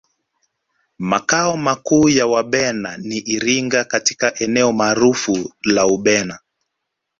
Makao makuu ya Wabena ni Iringa katika eneo maarufu la Ubena